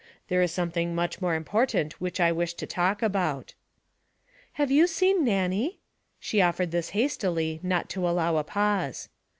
There is something much more important which I wish to talk about.' 'Have you seen Nannie?' She offered this hastily, not to allow a pause.